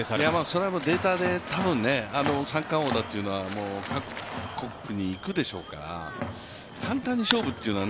それはデータで、多分三冠王っていうのは各国にいくでしょうから簡単に勝負というのは